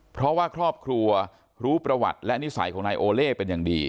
เพราะว่าครอบครัวรู้ประวัติและนิสัยของนายโอเล่เป็นอย่างดี